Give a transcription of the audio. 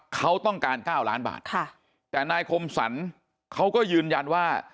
เขาต้องการ๙ล้านบาทค่ะแต่นายคมสรรเขาก็ยืนยันว่า